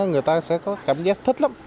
người ta sẽ có cảm giác thích lắm